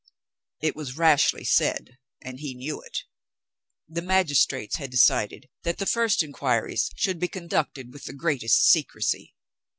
It was rashly said; and he knew it. The magistrates had decided that the first inquiries should be conducted with the greatest secrecy.